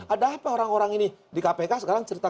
ada apa orang orang ini di kpk sekarang cerita